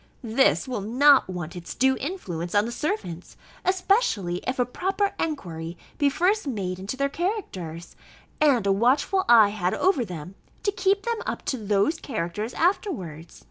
This will not want its due influence on the servants; especially if a proper enquiry be first made into their characters, and a watchful eye had over them, to keep them up to those characters afterwards.